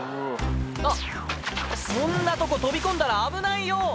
あっ、そんなとこ飛び込んだら危ないよ。